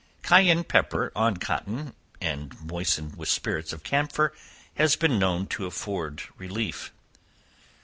Cayenne pepper on cotton, and moistened with spirits of camphor, has been known to afford relief.